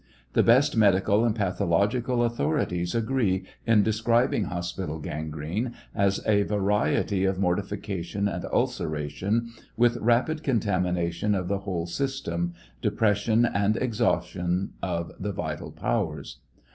The best medical and patholo gical authorities agree in describing hospital gangrene as a variety of mortifi cation and ulceration with rapid contamination of the whole system, depression and exhaustion of the vital powers.